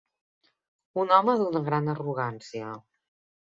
Un home d'una gran arrogància.